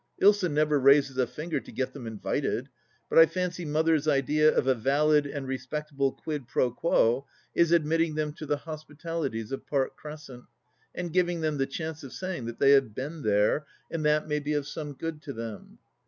Ilsa never raises a finger to get them invited. But I fancy Mother's idea of a valid and respectable quid pro quo is admitting them to the hospitalities of Park Crescent and giving them the chance of saying that they have been there, and that may be some good to them